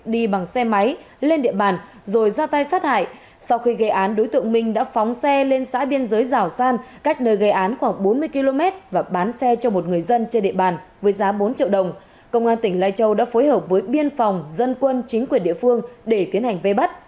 đi bằng xe máy lên địa bàn rồi ra tay sát hại sau khi gây án đối tượng minh đã phóng xe lên xã biên giới giảo san cách nơi gây án khoảng bốn mươi km và bán xe cho một người dân trên địa bàn với giá bốn triệu đồng công an tỉnh lai châu đã phối hợp với biên phòng dân quân chính quyền địa phương để tiến hành vây bắt